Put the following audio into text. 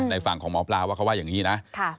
ฝั่งของหมอปลาว่าเขาว่าอย่างนี้นะ